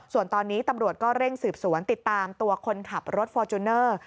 ส่วนตอนนี้ตำรวจก็เร่งสืบสวนติดตามตัวคนขับรถฟอร์จูเนอร์